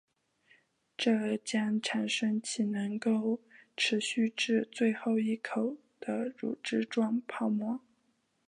这将产生其能够持续至最后一口的乳脂状泡沫。